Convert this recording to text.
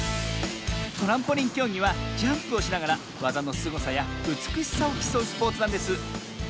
トランポリンきょうぎはジャンプをしながらわざのすごさやうつくしさをきそうスポーツなんです。